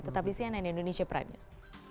tetap disini nenek indonesia prime news